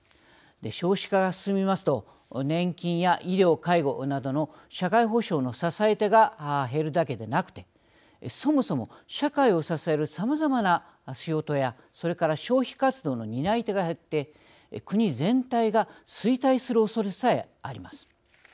少子化が進みますと年金や医療、介護などの社会保障の支え手が減るだけでなくてそもそも社会を支えるさまざまな仕事やそれから消費活動の担い手が減って国全体が衰退するおそれさえあります。